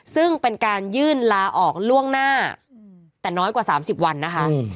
ซึ่งเป็นการยื่นลาออกล่วงหน้าแต่น้อยกว่า๓๐วันนะคะ